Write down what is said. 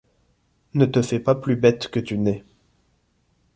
Ne te fais pas plus bête que tu n'es.